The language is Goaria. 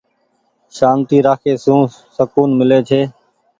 سآنتي رآکي سون سڪون ملي ڇي۔